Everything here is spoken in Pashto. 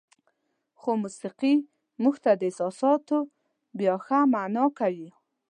خو موسیقي موږ ته دا احساسات بیا ښه معنا کوي.